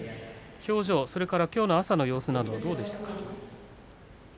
表情そして、きょうの朝の様子はどうでしたか？